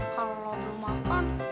kalau belum makan